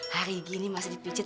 hari gini masih dipijat